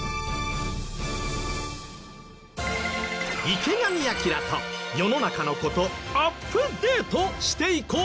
池上彰と世の中の事アップデートしていこう！